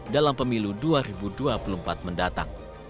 dalam pemilu dua ribu dua puluh empat mendatang